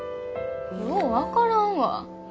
よう分からんわ。